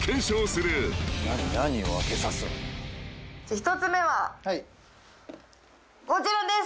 １つ目はこちらです。